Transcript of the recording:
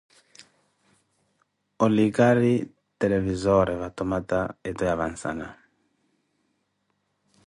olikari televisore va tomaata eto ya vansana.